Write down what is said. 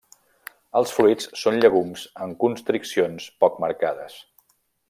Els fruits són llegums amb constriccions poc marcades.